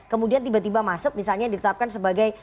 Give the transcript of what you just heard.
kemudian tiba tiba masuk misalnya ditetapkan sebagai